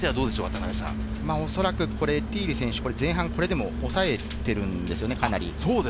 おそらくエティーリ選手、前半これでも抑えているんですよね、かなり。